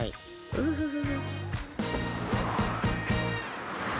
ウフフフフ。